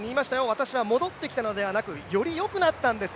私は戻ってきたのではなくて、よりよくなってきたのですと。